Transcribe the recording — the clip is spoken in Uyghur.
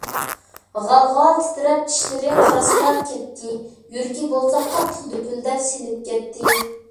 غال - غال تىترەپ، چىشلىرى قاراسلاپ كەتتى، يۈرىكى بولسا قاتتىق دۈپۈلدەپ سېلىپ كەتتى.